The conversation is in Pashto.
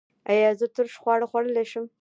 ایا زه ترش خواړه خوړلی شم؟